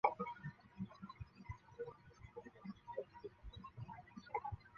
小虾花为爵床科尖尾凤属下的一个种。